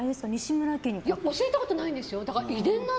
教えたことないんですよ。